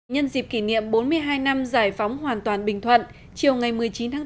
nhân dịp kỷ niệm bốn mươi hai năm giải phóng hoàn toàn bình thuận chiều ngày một mươi chín tháng bốn